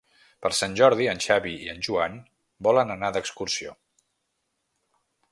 Per Sant Jordi en Xavi i en Joan volen anar d'excursió.